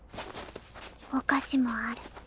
お菓子もある。